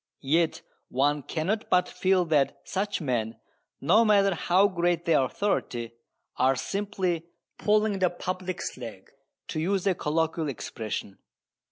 Yet one cannot but feel that such men, no matter how great their authority, are simply "pulling the public's leg," to use a colloquial expression.